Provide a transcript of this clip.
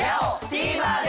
ＴＶｅｒで！